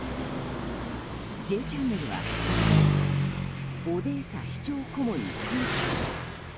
「Ｊチャンネル」は昨日オデーサ市長顧問にコンタクト。